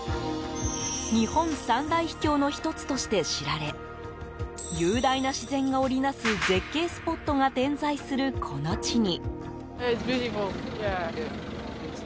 日本三大秘境の１つとして知られ雄大な自然が織りなす絶景スポットが点在するこの地に。